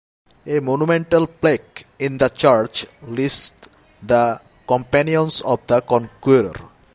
A monumental plaque in the church lists the companions of the Conqueror.